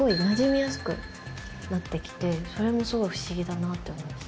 それもすごい不思議だなって思います。